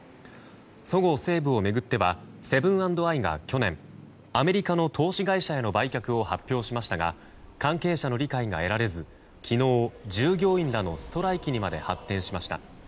そごう・西武を巡ってはセブン＆アイが去年アメリカの投資会社への売却を発表しましたが関係者への理解が得られず昨日、従業員らのストライキにまで発展しました。